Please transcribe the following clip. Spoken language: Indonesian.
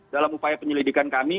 dalam upaya penyelidikan kami